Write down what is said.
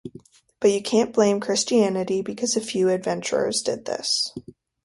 But you can't blame Christianity because a few adventurers did this.